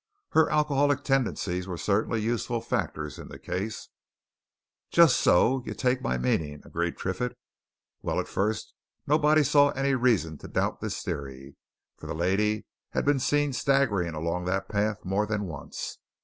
"Her alcoholic tendencies were certainly useful factors in the case." "Just so you take my meaning," agreed Triffitt. "Well, at first nobody saw any reason to doubt this theory, for the lady had been seen staggering along that path more than once.